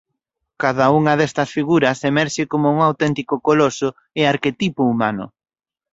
Cada unha destas figuras emerxe como un auténtico coloso e arquetipo humano.